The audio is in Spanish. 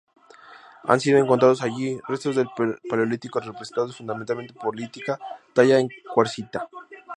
Han sido encontrados allí restos del Paleolítico representados fundamentalmente por lítica tallada en cuarcita.